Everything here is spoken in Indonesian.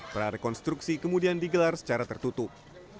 prarekonstruksi kemudian digelar secara tertutup